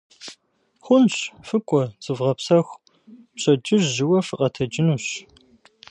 Хъунщ, фыкӀуэ, зывгъэпсэху, пщэдджыжь жьыуэ фыкъэтэджынущ.